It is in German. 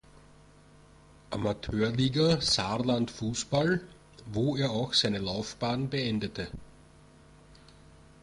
Amateurliga Saarland Fußball, wo er auch seine Laufbahn beendete.